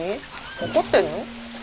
怒ってんの？